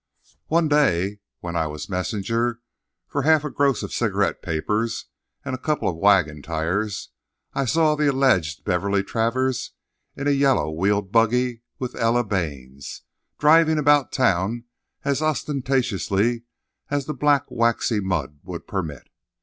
One day, when I was messenger for half a gross of cigarette papers and a couple of wagon tires, I saw the alleged Beverly Travers in a yellow wheeled buggy with Ella Baynes, driving about town as ostentatiously as the black, waxy mud would permit.